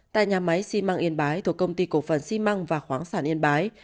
tại nhà máy xi măng yên bái thuộc công ty cổ phần xi măng và khoáng sản yên bái